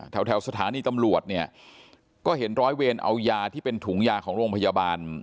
แถวสถานีตำรวจเนี่ยก็เห็นร้อยเวรเอายาที่เป็นถุงยาของโรงพยาบาล